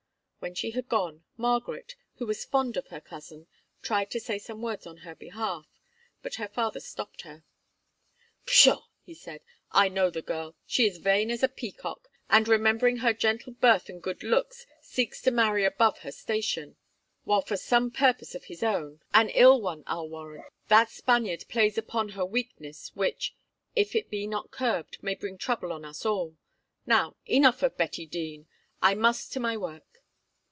When she had gone, Margaret, who was fond of her cousin, tried to say some words on her behalf; but her father stopped her. "Pshaw!" he said, "I know the girl; she is vain as a peacock, and, remembering her gentle birth and good looks, seeks to marry above her station; while for some purpose of his own—an ill one, I'll warrant— that Spaniard plays upon her weakness, which, if it be not curbed, may bring trouble on us all. Now, enough of Betty Dene; I must to my work."